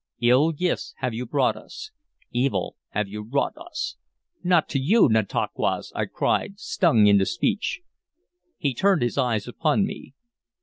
Ill gifts have you brought us, evil have you wrought us" "Not to you, Nantauquas!" I cried, stung into speech. He turned his eyes upon me.